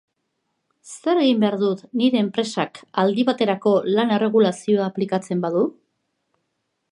Zer egin behar dut nire enpresak aldi baterako lan-erregulazioa aplikatzen badu?